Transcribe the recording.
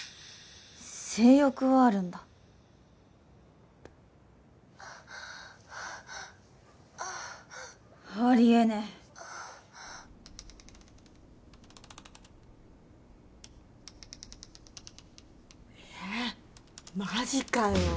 性欲はあるんだありえねええマジかよ